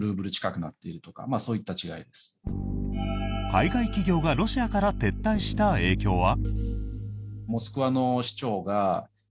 海外企業がロシアから撤退した影響は？